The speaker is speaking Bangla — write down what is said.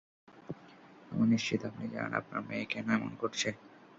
আমি নিশ্চিত আপনি জানেন আপনার মেয়ে কেন এমন করছে।